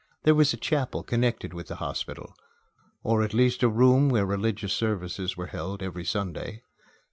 There was a chapel connected with the hospital or at least a room where religious services were held every Sunday.